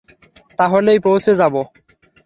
তাহলেই পৌঁছে যাবো।